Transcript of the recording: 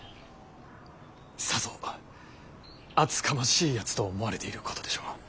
さぞ厚かましいやつと思われていることでしょう。